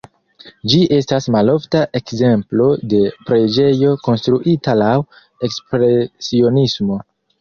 Ĝi estas malofta ekzemplo de preĝejo konstruita laŭ ekspresionismo.